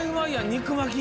肉巻き。